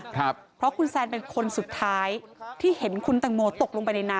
เพราะคุณแซนเป็นคนสุดท้ายที่เห็นคุณตังโมตกลงไปในน้ำ